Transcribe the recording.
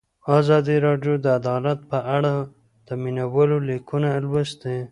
ازادي راډیو د عدالت په اړه د مینه والو لیکونه لوستي.